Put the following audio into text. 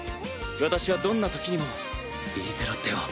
私はどんなときにもリーゼロッテを。